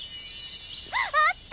あった！